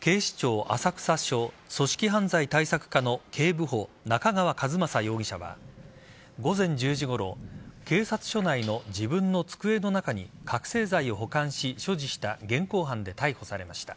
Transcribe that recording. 警視庁浅草署組織犯罪対策課の警部補中川一政容疑者は午前１０時ごろ警察署内の自分の机の中に覚醒剤を保管し所持した現行犯で逮捕されました。